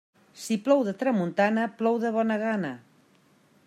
Si plou de tramuntana, plou de bona gana.